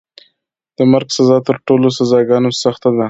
د مرګ سزا تر ټولو سزاګانو سخته ده.